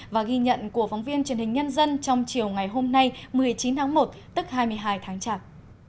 và ghi nhận của phóng viên truyền hình nhân dân trong chiều ngày hôm nay một mươi chín tháng một tức hai mươi hai tháng chạp